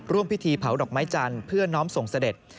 พิธีเผาดอกไม้จันทร์เพื่อน้อมส่งเสด็จ